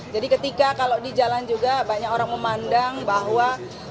jadi ketika kalau di jalan juga banyak orang memandang bahwa